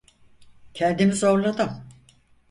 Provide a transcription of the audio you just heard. Kendimi zorladım.